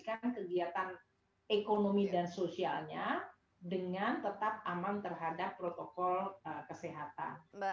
kita lakukan kegiatan ekonomi dan sosialnya dengan tetap aman terhadap protokol kesehatan